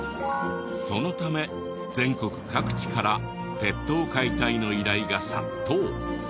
そのため全国各地から鉄塔解体の依頼が殺到。